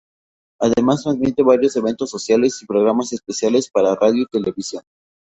Además transmite varios eventos sociales y programas especiales para radio y televisión.